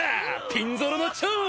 ピンゾロの丁！